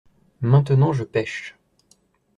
Maintenant je pêche.